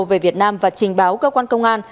về việt nam và trình báo cơ quan công an